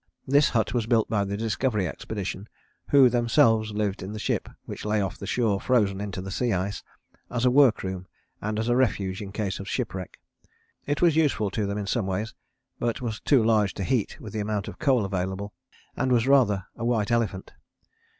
This hut was built by the Discovery Expedition, who themselves lived in the ship which lay off the shore frozen into the sea ice, as a workroom and as a refuge in case of shipwreck. It was useful to them in some ways, but was too large to heat with the amount of coal available, and was rather a white elephant.